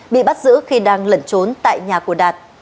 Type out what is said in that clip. bị bắt giữ khi đang lẩn trốn tại nhà của đạt